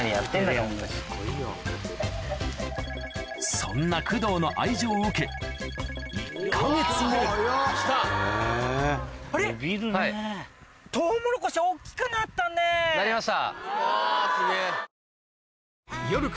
そんな工藤の愛情を受け１か月後なりました！